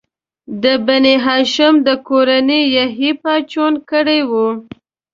د بني هاشم د کورنۍ یحیی پاڅون کړی و.